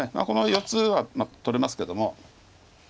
この４つは取れますけども。